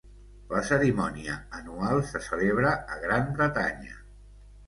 La cerimònia anual se celebra a Gran Bretanya.